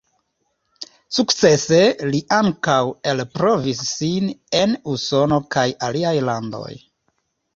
Sukcese li ankaŭ elprovis sin en Usono kaj aliaj landoj.